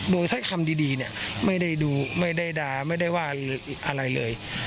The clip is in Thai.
โดยถ้อยคำดีเนี่ยไม่ได้ดูไม่ได้ด่าไม่ได้ว่าอะไรเลย